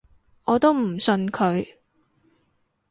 我都唔信佢